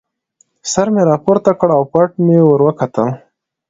سر مې را پورته کړ او پټ مې ور وکتل.